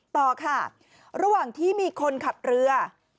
ต่อค่ะระหว่างที่มีคนขับเรือ